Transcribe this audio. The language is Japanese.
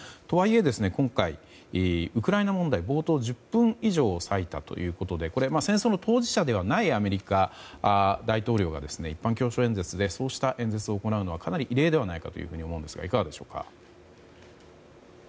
とはいえ今回、ウクライナ問題に冒頭１０分以上割いたということで戦争の当事者ではないアメリカ大統領が一般教書演説でそうした演説を行うというのはかなり異例ではないかというふうに思うんですがいかがでしょうか。